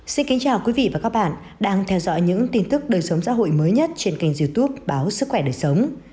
xin kính chào quý vị và các bạn đang theo dõi những tin tức đời sống xã hội mới nhất trên kênh youtube báo sức khỏe đời sống